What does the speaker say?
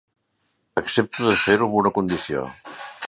Accepto de fer-ho, amb una condició.